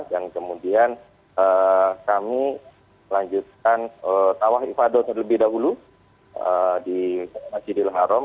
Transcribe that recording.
dan kemudian kami melanjutkan tawah ibadah terlebih dahulu di masjidil haram